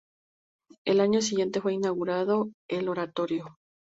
El año siguiente fue inaugurado el oratorio.